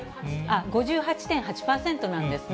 ５８．８％なんですね。